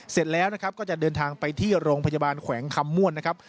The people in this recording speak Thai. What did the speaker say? เสร็จแล้วนะครับก็จะเดินทางไปที่โรงพยาบาลแขวงคำม่วนนะครับ